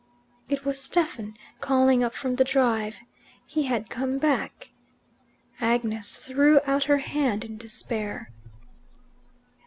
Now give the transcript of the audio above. It was Stephen calling up from the drive. He had come back. Agnes threw out her hand in despair.